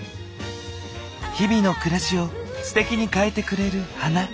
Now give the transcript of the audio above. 日々の暮らしをステキに変えてくれる花。